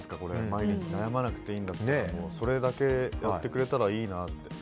毎日悩まなくていいんだったらそれだけやってくれたらいいなって。